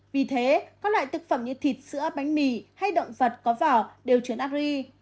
vì thế các loại thực phẩm như thịt sữa bánh mì hay động vật có vỏ đều chứa nát ri